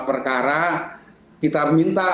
perkara kita minta